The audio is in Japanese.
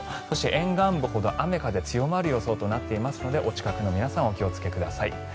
そして沿岸部ほど雨、風が強まる予想となっているのでお近くの皆さんお気をつけください。